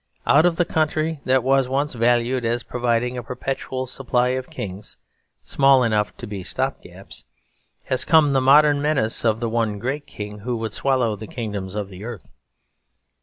Out of the country that was once valued as providing a perpetual supply of kings small enough to be stop gaps, has come the modern menace of the one great king who would swallow the kingdoms of the earth.